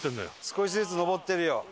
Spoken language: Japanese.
少しずつ上ってるよ。